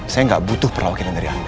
saya gak butuh perawakilan dari anda